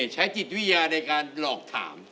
ใช้จิตวิทยาในการหลอกถาม